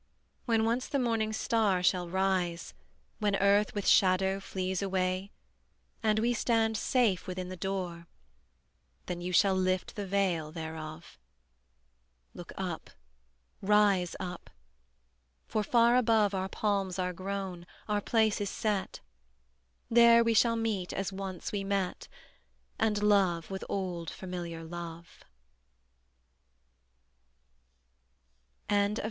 When once the morning star shall rise, When earth with shadow flees away And we stand safe within the door, Then you shall lift the veil thereof. Look up, rise up: for far above Our palms are grown, our place is set; There we shall meet as once we met, And love with old familiar love. UP HILL.